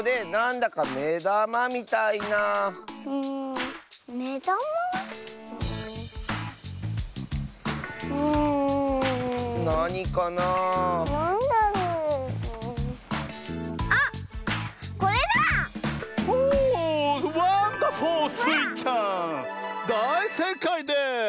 だいせいかいです！